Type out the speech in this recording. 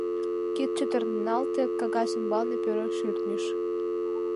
Кид чытырналте, кагаз ӱмбалне перо шӱртньыш.